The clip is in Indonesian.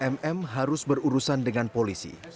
mm harus berurusan dengan polisi